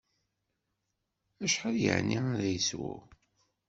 Acḥal yeɛni ara yeswu?